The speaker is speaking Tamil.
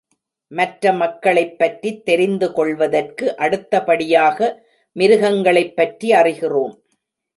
மற்ற மக்களைப் பற்றித் தெரிந்கொள்வதற்கு அடுத்தபடியாக மிருகங்களைப் பற்றி அறிகிறோம்.